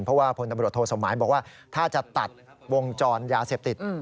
เพราะว่าพลตำรวจโทสมหมายบอกว่าถ้าจะตัดวงจรยาเสพติด